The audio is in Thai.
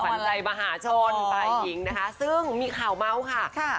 ขวัญใจมหาชนฝ่ายหญิงนะคะซึ่งมีข่าวเมาส์ค่ะ